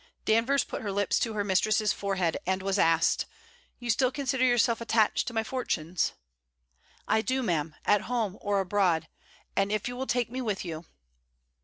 Danvers put her lips to her mistress's forehead, and was asked: 'You still consider yourself attached to my fortunes?' 'I do, ma'am, at home or abroad; and if you will take me with you...'